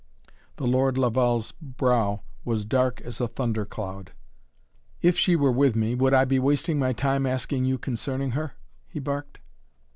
The Lord Laval's brow was dark as a thunder cloud. "If she were with me would I be wasting my time asking you concerning her?" he barked.